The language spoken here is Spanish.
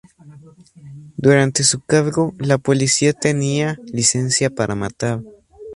Durante su cargo, la policía tenía "Licencia para Matar".